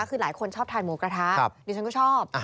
คือหลายคนชอบทานหมูกระทะดิฉันก็ชอบ